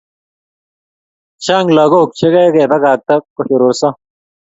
Chang lakok che ke pakaktaa koshororso